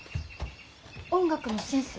音楽の先生。